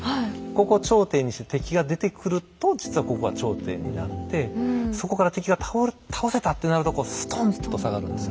ここ頂点にして敵が出てくると実はここが頂点になってそこから敵が倒せたってなるとこうストンと下がるんですよ。